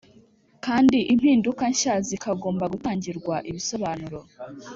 kandi impinduka nshya zikagomba gutangirwa ibisobanuro